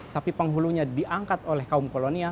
tapi penghulunya diangkat oleh kaum kolonial